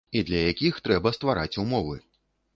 І для якіх трэба ствараць умовы.